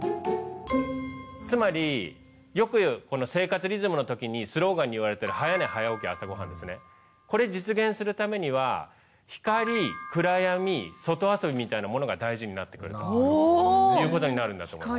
つまりよく言うこの生活リズムの時にスローガンに言われてるこれ実現するためにはみたいなものが大事になってくるということになるんだと思います。